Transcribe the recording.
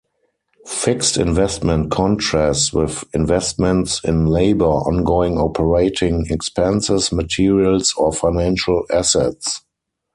Fixed investment contrasts with investments in labour, ongoing operating expenses, materials or financial assets.